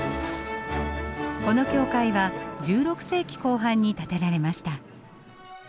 この教会は１６世紀後半に建てられました。